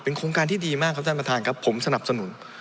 โครงการที่ดีมากครับท่านประธานครับผมสนับสนุน